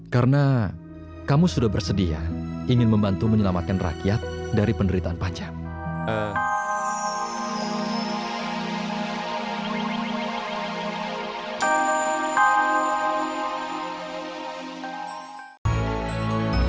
karena kamu sudah bersedia ingin membantu menyelamatkan rakyat dari penderitaan panjang